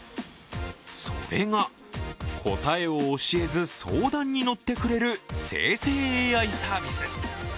それが答えを教えず相談に乗ってくれる生成ＡＩサービス。